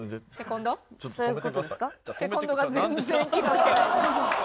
セコンドが全然機能してない。